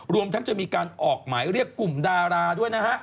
รวมทั้งจะมีการออกหมายเรียกกลุ่มดาราด้วยนะฮะ